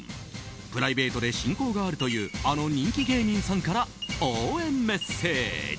プライベートで親交があるというあの人気芸人さんから応援メッセージ。